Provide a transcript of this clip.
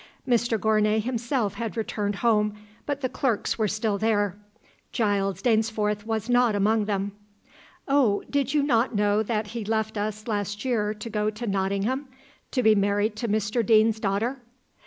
Mr Gournay himself had returned home, but the clerks were still there. Giles Dainsforth was not among them. "Oh, did you not know that he left us last year to go to Nottingham, to be married to Mr Deane's daughter?